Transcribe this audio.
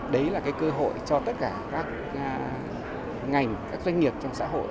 đấy là cái cơ hội cho tất cả các ngành các doanh nghiệp trong xã hội